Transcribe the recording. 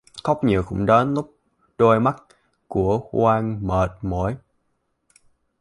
Khóc nhiều cũng đến lúc đôi mắt của quân mệt mỏi